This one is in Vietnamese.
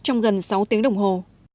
trong gần sáu tiếng đồng hồ